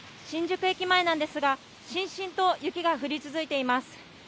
新宿駅前なんですが、しんしんと雪が降り続いています。